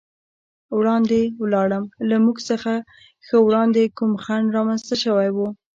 وړاندې ولاړم، له موږ څخه ښه وړاندې کوم خنډ رامنځته شوی و.